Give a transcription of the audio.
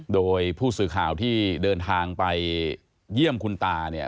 โดยผู้สื่อข่าวที่เดินทางไปเยี่ยมคุณตาเนี่ย